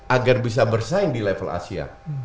agar bisa bersaing di level asia